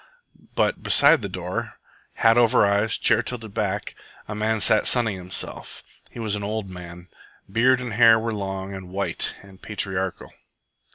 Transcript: But beside the door, hat over eyes, chair tilted back, a man sat sunning himself. He was an old man. Beard and hair were long and white and patriarchal.